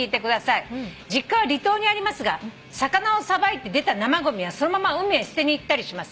「実家は離島にありますが魚をさばいて出た生ごみはそのまま海へ捨てに行ったりします」